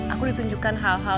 aku ditunjukkan hal hal